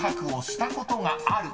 したことある？